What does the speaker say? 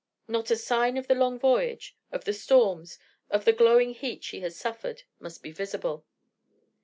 Not a sign of the long voyage, of the storms, of the glowing heat she has suffered, must be visible.